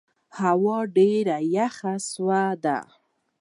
هوا ډېره یخه سوې ده.